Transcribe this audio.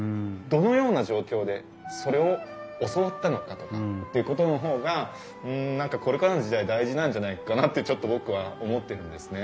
どのような状況でそれを教わったのかとかっていうことの方が何かこれからの時代大事なんじゃないかなってちょっと僕は思ってるんですね。